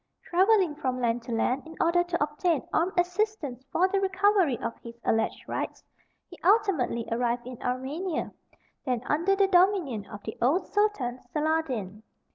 Travelling from land to land in order to obtain armed assistance for the recovery of his alleged rights, he ultimately arrived in Armenia, then under the dominion of the old Sultan Saladin.